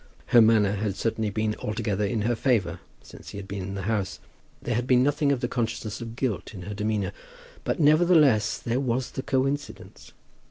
Her manner had certainly been altogether in her favour since he had been in her house. There had been nothing of the consciousness of guilt in her demeanour. But, nevertheless, there was the coincidence!